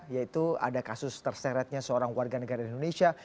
yaitu ada kasus terseretnya seorang warga negara indonesia